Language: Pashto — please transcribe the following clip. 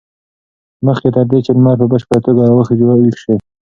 مخکې تر دې چې لمر په بشپړه توګه راوخېژي ویښ و.